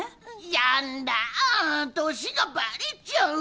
やんだぁ年がバレちゃう。